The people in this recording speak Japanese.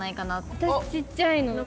私ちっちゃいの。